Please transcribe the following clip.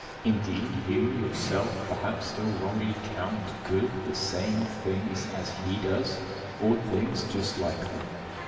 Indeed you yourself perhaps still wrongly count good the same things as he does, or things just like them.